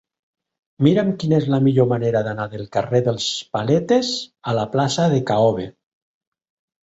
Mira'm quina és la millor manera d'anar del carrer dels Paletes a la plaça de K-obe.